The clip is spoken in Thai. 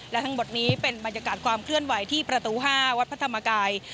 และทั้งหมดนี้เป็นบรรยากาศความเคลื่อนไหวที่ประตู๕วัดพระธรรมกาย